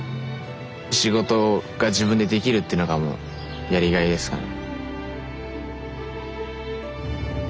仕事が自分でできるっていうのがもうやりがいですかね。